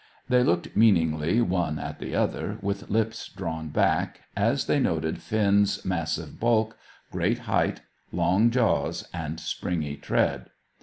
They looked meaningly one at the other, with lips drawn back, as they noted Finn's massive bulk, great height, long jaws, and springy tread.